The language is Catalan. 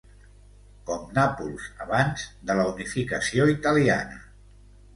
Com Nàpols abans de la unificació italiana...